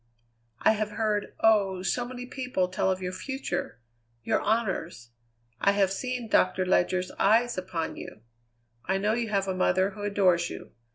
I have heard, oh! so many people, tell of your future, your honours. I have seen Doctor Ledyard's eyes upon you; I know you have a mother who adores you.